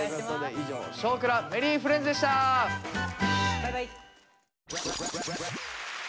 バイバイ。